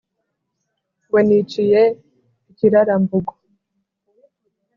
ngo niciye i kirarambogo